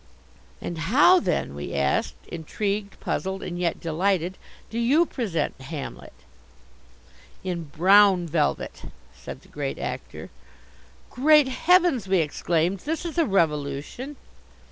"And how then," we asked, intrigued, puzzled and yet delighted, "do you present Hamlet?" "In brown velvet," said the Great Actor. "Great Heavens," we exclaimed, "this is a revolution."